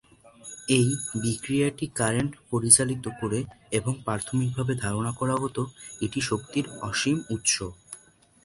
এই বিক্রিয়াটি কারেন্ট পরিচালিত করে এবং প্রাথমিক ভাবে ধারণা করা হতো এটি শক্তির অসীম উৎস।